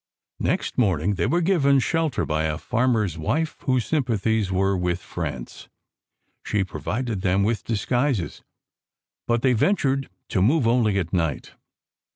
Next morning they were given shelter by a farmer s wife whose sympathies were with France. She pro vided them with disguises, but they ventured to move only at night.